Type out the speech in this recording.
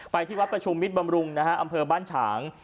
ที่วัดประชุมมิตรบำรุงนะฮะอำเภอบ้านฉาง